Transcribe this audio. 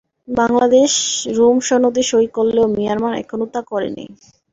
Bangladesh Rome সনদে সই করলেও মিয়ানমার এখনো তা করেনি।